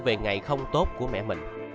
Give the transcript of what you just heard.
về ngày không tốt của mẹ mình